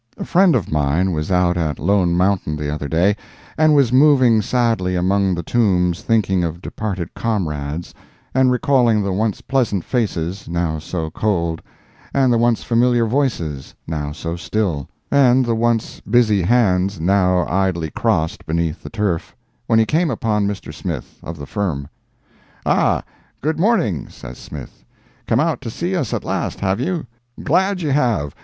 A friend of mine was out at Lone Mountain the other day, and was moving sadly among the tombs thinking of departed comrades and recalling the once pleasant faces now so cold, and the once familiar voices now so still, and the once busy hands now idly crossed beneath the turf, when he came upon Mr. Smith, of the firm. "Ah, good morning," says Smith, "come out to see us at last, have you?—glad you have!